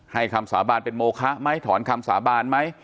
คำสาบานเป็นโมคะไหมถอนคำสาบานไหม